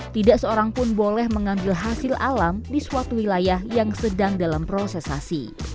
tidak seorang pun boleh mengambil hasil alam di suatu wilayah yang sedang dalam proses asi